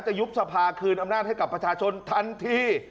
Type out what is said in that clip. ยุบสภาคืนอำนาจให้กับประชาชนทันที